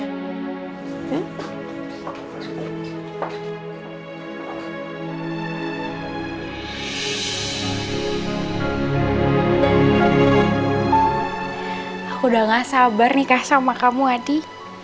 aku udah gak sabar nikah sama kamu adi